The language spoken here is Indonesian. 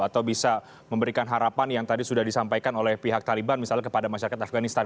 atau bisa memberikan harapan yang tadi sudah disampaikan oleh pihak taliban misalnya kepada masyarakat afganistan